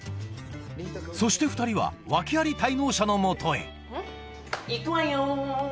そして２人はワケあり滞納者の元へ行くわよ！